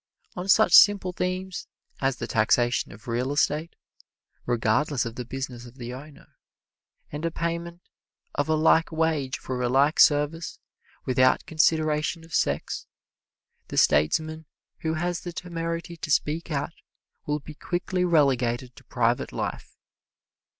On such simple themes as the taxation of real estate, regardless of the business of the owner, and a payment of a like wage for a like service without consideration of sex, the statesman who has the temerity to speak out will be quickly relegated to private life.